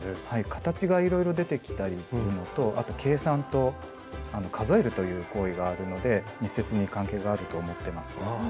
はい形がいろいろ出てきたりするのとあと計算と数えるという行為があるので密接に関係があると思ってます。